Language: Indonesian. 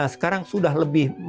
sekarang sudah lebih